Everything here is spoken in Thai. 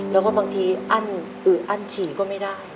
แล้วก็บางทีอึดอั้นฉีก็ไม่ได้